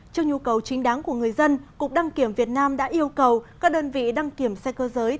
trước nhu cầu chính đáng của người dân cục đăng kiểm việt nam đã yêu cầu các đơn vị đăng kiểm xe cơ giới